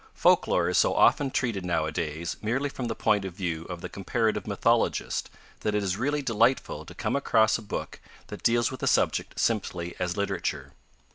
Folklore is so often treated nowadays merely from the point of view of the comparative mythologist, that it is really delightful to come across a book that deals with the subject simply as literature.